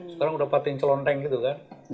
sekarang udah partai celonteng gitu kan